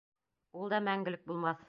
Ул да мәңгелек булмаҫ.